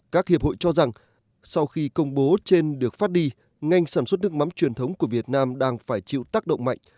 các hiệp hội cho rằng sau khi công bố trên được phát đi ngành sản xuất nước mắm truyền thống của việt nam đang phải chịu tác động mạnh